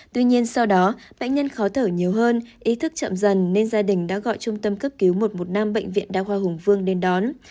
tuy nhiên sau đó bệnh nhân khó thở nhiều hơn ý thức chậm dần nên gia đình đã gọi trung tâm cấp cứu một trăm một mươi năm bệnh viện đa khoa hùng vương đến đón